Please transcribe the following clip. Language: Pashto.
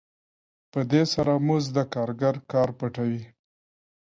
په دې سره مزد د کارګر کار پټوي